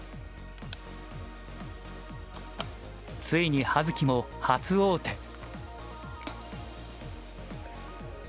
ついに葉月も初王手。